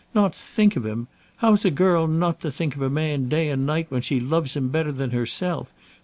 Not think of him! How's a girl not to think of a man day and night when she loves him better than herself?